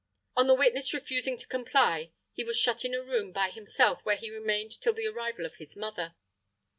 On the witness refusing to comply, he was shut in a room by himself where he remained till the arrival of his mother.